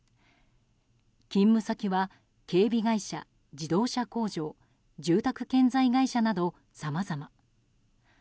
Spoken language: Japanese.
勤務先は警備会社、自動車工場住宅建材会社などさまざま。